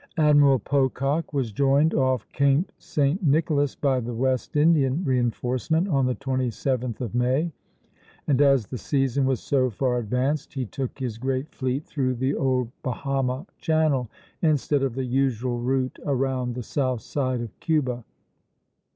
Admiral Pocock was joined off Cape St. Nicholas by the West Indian reinforcement on the 27th of May, and as the season was so far advanced, he took his great fleet through the old Bahama channel instead of the usual route around the south side of Cuba.